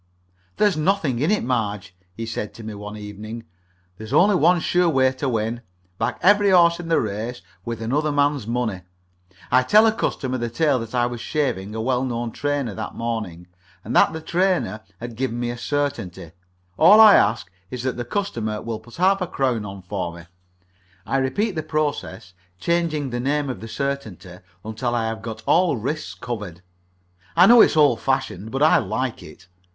"There's nothing in it, Marge," he said to me one evening. "There's only one sure way to win back every horse in the race with another man's money. I tell a customer the tale that I was shaving a well known trainer that morning, and that the trainer had given me a certainty; all I ask is that the customer will put half a crown on for me. I repeat the process, changing the name of the certainty, until I have got all risks covered. I know it's old fashioned, but I like it.